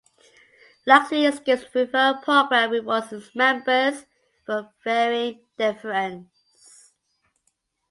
Luxury Escapes Referral Program rewards its members for referring their friends.